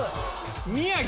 宮城。